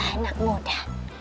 baiklah anak muda